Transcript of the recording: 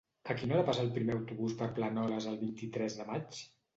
A quina hora passa el primer autobús per Planoles el vint-i-tres de maig?